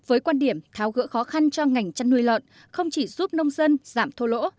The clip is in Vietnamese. với quan điểm tháo gỡ khó khăn cho ngành chăn nuôi lợn không chỉ giúp nông dân giảm thua lỗ